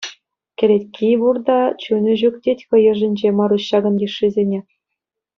Кӗлетки пур та, чунӗ ҫук тет хӑй ӑшӗнче Маруҫ ҫакӑн йышшисене.